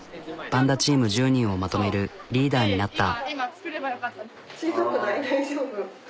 パンダチーム１０人をまとめるリーダーになった。